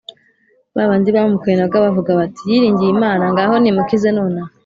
ba bandi bamukwenaga bavuga bati, “yiringiye imana, ngaho nimukize nonaha,